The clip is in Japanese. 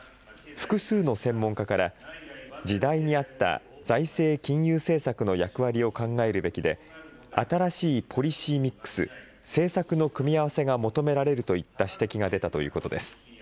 複数の専門家から、時代に合った財政・金融政策の役割を考えるべきで、新しいポリシーミックス・政策の組み合わせが求められるといった指摘が出たということです。